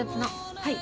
はい。